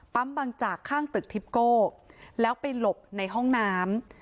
บางจากข้างตึกทิปโก้แล้วไปหลบในห้องน้ำ